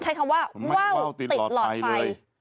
ใช้คำว่าว่าวติดหลอดไฟ